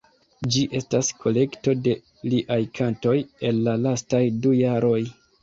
Ĝi estas kolekto de liaj kantoj el la lastaj du jaroj.